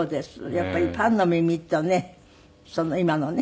やっぱりパンの耳とねその今のね。